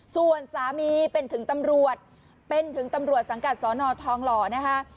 ส่วนสามีเป็นถึงตำรวจเป็นถึงตำรวจสังกัดสอนอทองหล่อนะคะ